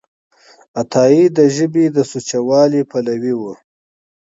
عطایي د ژبې د سوچهوالي پلوی و.